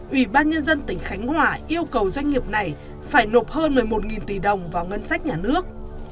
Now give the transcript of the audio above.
ủy ban nhân dân tỉnh khánh hòa yêu cầu doanh nghiệp này phải nộp hơn một mươi một tỷ đồng vào ngân sách nhà nước